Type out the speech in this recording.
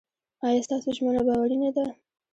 ایا ستاسو ژمنه باوري نه ده؟